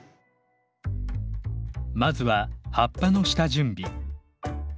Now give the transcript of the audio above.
まずは葉っぱの下準備。